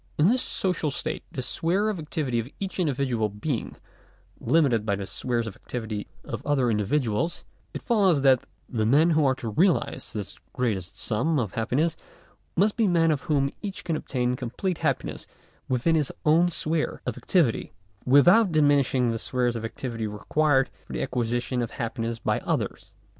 In this social state the sphere of activity of each individual being limited by the spheres of activity of other individuals, it follows that the men who are to realize this greatest sum of happiness, must be men of whom each can obtain complete happiness within his own sphere of activity, without diminish ing the spheres of activity required for the acquisition of hap piness by others.